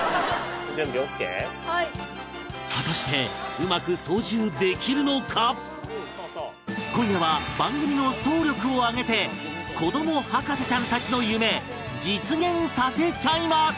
果たして今夜は番組の総力を挙げて子ども博士ちゃんたちの夢実現させちゃいます！